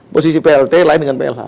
posisi plt lain dengan plh